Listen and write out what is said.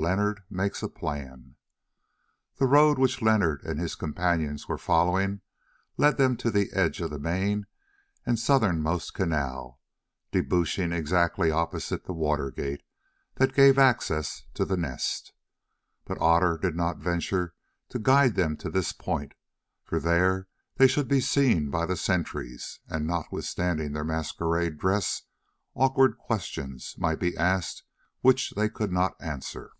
LEONARD MAKES A PLAN The road which Leonard and his companions were following led them to the edge of the main and southernmost canal, debouching exactly opposite the water gate that gave access to the Nest. But Otter did not venture to guide them to this point, for there they should be seen by the sentries, and, notwithstanding their masquerade dress, awkward questions might be asked which they could not answer.